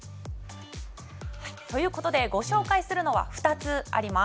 ということでご紹介するのは２つあります。